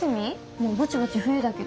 もうぼちぼち冬だけど。